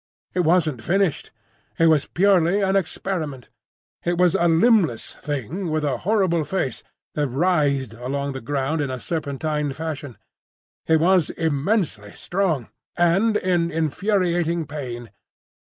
It wasn't finished. It was purely an experiment. It was a limbless thing, with a horrible face, that writhed along the ground in a serpentine fashion. It was immensely strong, and in infuriating pain.